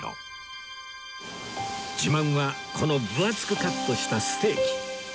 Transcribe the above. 自慢はこの分厚くカットしたステーキ